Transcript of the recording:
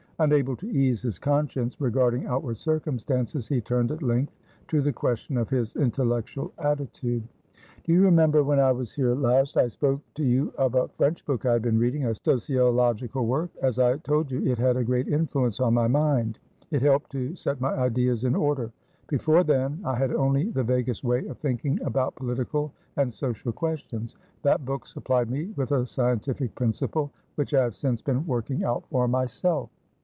Unable to ease his conscience regarding outward circumstances, he turned at length to the question of his intellectual attitude. "Do you remember, when I was here last, I spoke to you of a French book I had been reading, a sociological work? As I told you, it had a great influence on my mind. It helped to set my ideas in order. Before then, I had only the vaguest way of thinking about political and social questions. That book supplied me with a scientific principle, which I have since been working out for myself."